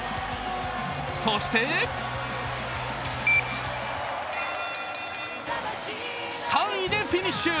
そして、３位でフィニッシュ。